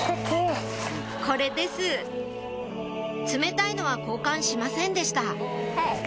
これです冷たいのは交換しませんでした